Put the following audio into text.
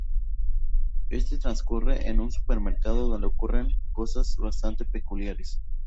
Este transcurre en un supermercado donde ocurren cosas bastante peculiares.